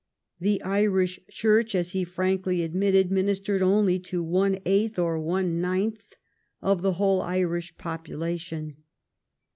The Irish Church, as he frankly admitted, ministered only to one eighth or one ninth of the whole Irish population.